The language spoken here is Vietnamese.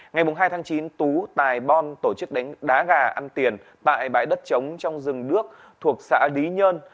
ngày hai tháng chín tú tài bon tổ chức đánh đá gà ăn tiền tại bãi đất chống trong rừng đước thuộc xã lý nhơn